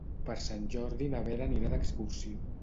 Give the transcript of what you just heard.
Per Sant Jordi na Vera anirà d'excursió.